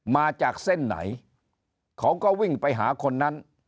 มาจากเส้นไหนเขาก็วิ่งไปหาคนนั้น